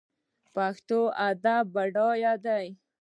پښتو ادب بډای دی